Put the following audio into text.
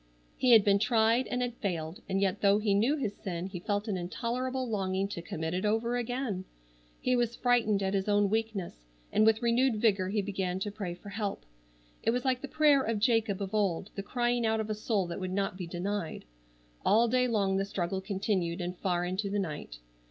He had been tried and had failed, and yet though he knew his sin he felt an intolerable longing to commit it over again. He was frightened at his own weakness, and with renewed vigor he began to pray for help. It was like the prayer of Jacob of old, the crying out of a soul that would not be denied. All day long the struggle continued, and far into the night.